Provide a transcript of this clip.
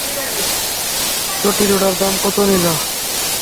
চটি জোড়ার দাম কত নিলো?